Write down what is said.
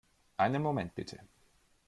Einen Moment, bitte.